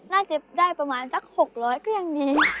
น่าจะได้ประมาณสัก๖๐๐ก็ยังดี